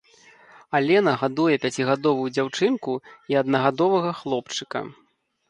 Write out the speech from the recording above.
Алена гадуе пяцігадовую дзяўчынку і аднагадовага хлопчыка.